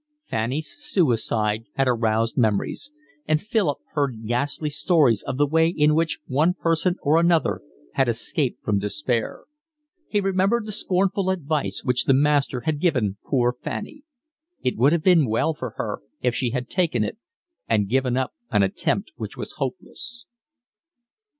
Fanny's suicide had aroused memories, and Philip heard ghastly stories of the way in which one person or another had escaped from despair. He remembered the scornful advice which the master had given poor Fanny: it would have been well for her if she had taken it and given up an attempt which was hopeless.